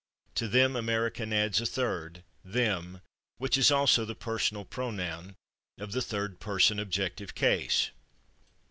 To them, American adds a third, /them/, which is also the personal pronoun of the third person, objective case.